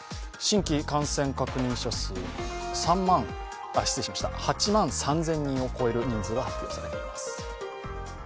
新規感染確認者数、８万３０００人を超える人数が発表されています。